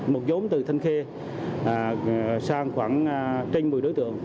một nhóm từ thành khê sang khoảng trên một mươi đối tượng